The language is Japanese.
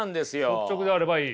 率直であればいい？